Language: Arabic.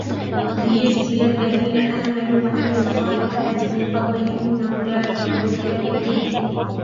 لِيَجْزِيَ الَّذِينَ آمَنُوا وَعَمِلُوا الصَّالِحَاتِ مِنْ فَضْلِهِ إِنَّهُ لَا يُحِبُّ الْكَافِرِينَ